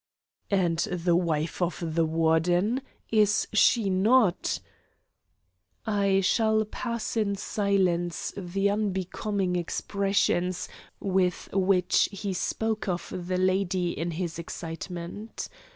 "And the wife of the Warden? Is she not " I shall pass in silence the unbecoming expressions with which he spoke of the lady in his excitement.